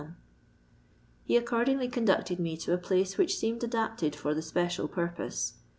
He accordingly conducted me to a place which seemed adapted for the special purpose.